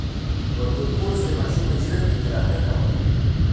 يوه تور پوستې ماشومه ژرندې ته را ننوته.